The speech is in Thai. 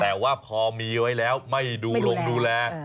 แต่ว่าพอมีไว้แล้วไม่ดูลงดูแล